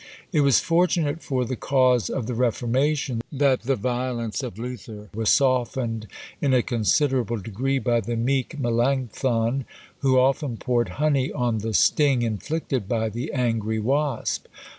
It was fortunate for the cause of the Reformation that the violence of Luther was softened in a considerable degree by the meek Melancthon, who often poured honey on the sting inflicted by the angry wasp.